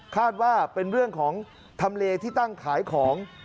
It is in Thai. คาดว่าเป็นเรื่องของทำเลที่ตั้งขายของ